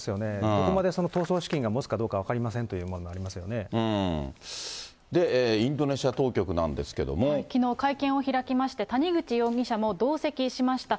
どこまで逃走資金がもつかどうか分かりませんっていうのもありまインドネシア当局なんですけきのう、会見を開きまして、谷口容疑者も同席しました。